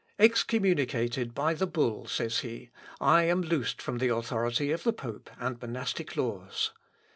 "Excommunicated by the bull," says he, "I am loosed from the authority of the pope and monastic laws.